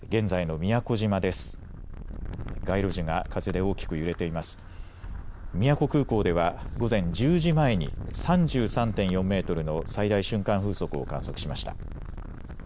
宮古空港では午前１０時前に３３．４メートルの最大瞬間風速を観測しました。